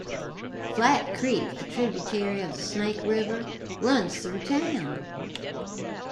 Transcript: Flat Creek, a tributary of the Snake River, runs through town.